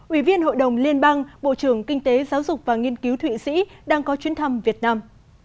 ủy viên hội đồng liên bang bộ trưởng kinh tế giáo dục và nghiên cứu thụy sĩ đang có chuyến thăm việt nam